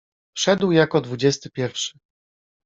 Wszedł jako dwudziesty pierwszy.